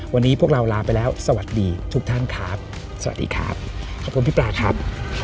วันนี้พวกเราลาไปแล้วสวัสดีทุกท่านครับสวัสดีครับขอบคุณพี่ปลาครับ